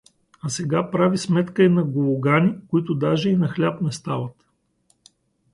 А сега прави сметка на гологани, които даже и на хляб не стават.